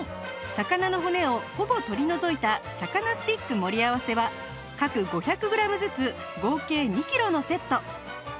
魚の骨をほぼ取り除いた魚スティック盛り合わせは各５００グラムずつ合計２キロのセット